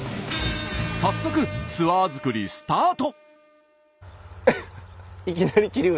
早速ツアー作りスタート。